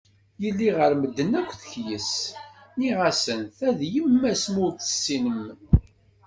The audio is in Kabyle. Yelli ɣer medden akk tekyes, nniɣ-asen ta d yemma-s ma ur tt-tessinem.